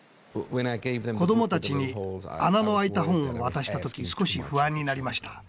子どもたちに穴のあいた本を渡した時少し不安になりました。